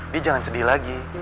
dia jangan sedih lagi